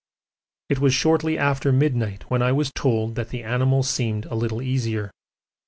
It was shortly after midnight when I was told that the animal seemed a little easier.